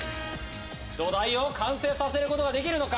土台を完成させることができるのか。